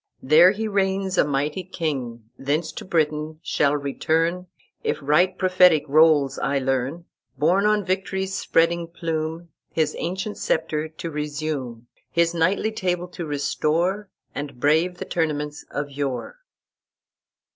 There he reigns a mighty king, Thence to Britain shall return, If right prophetic rolls I learn, Borne on victory's spreading plume, His ancient sceptre to resume, His knightly table to restore, And brave the tournaments of yore."